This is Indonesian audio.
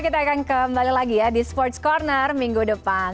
kita akan kembali lagi ya di sports corner minggu depan